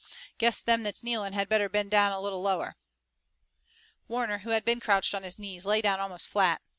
Guess them that's kneeling had better bend down a little lower." Warner, who had been crouched on his knees, lay down almost flat.